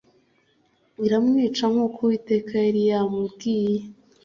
iramwica nkuko Uwiteka yari yamubwiye